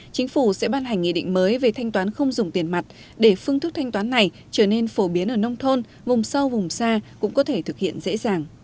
chính phủ sẽ ban hành nghị định mới về thanh toán không dùng tiền mặt để phương thức thanh toán này trở nên phổ biến ở nông thôn vùng sâu vùng xa cũng có thể thực hiện dễ dàng